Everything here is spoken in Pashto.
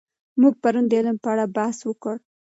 موږ پرون د علم په اړه بحث وکړ.